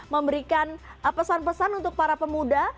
memberikan pesan pesan untuk para pemuda